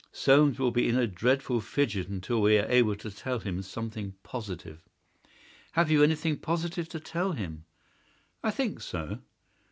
"Soames will be in a dreadful fidget until we are able to tell him something positive." "Have you anything positive to tell him?" "I think so."